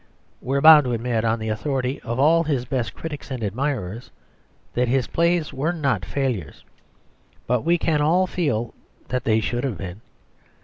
We are bound to admit, on the authority of all his best critics and admirers, that his plays were not failures, but we can all feel that they should have been.